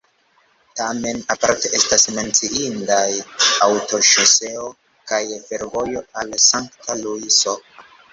Tamen aparte estas menciindaj aŭtoŝoseo kaj fervojo al Sankta Luiso.